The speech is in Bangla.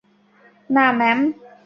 না, ম্যাম।